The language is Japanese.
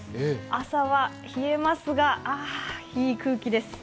朝は冷えますが、あ、いい空気です。